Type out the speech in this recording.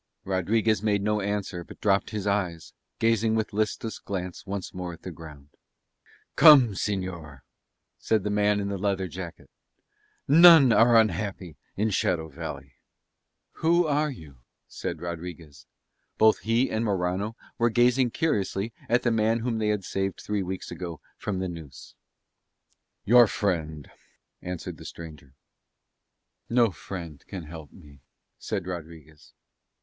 Rodriguez made no answer but dropped his eyes, gazing with listless glance once more at the ground. "Come, señor," said the man in the leather jacket. "None are unhappy in Shadow Valley." "Who are you?" said Rodriguez. Both he and Morano were gazing curiously at the man whom they had saved three weeks ago from the noose. "Your friend," answered the stranger. "No friend can help me," said Rodriguez.